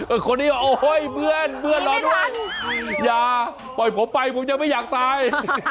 โอ้โฮเห้ยเพื่อนหน่อยอย่าปล่อยผมไปผมยังไม่อยากตาย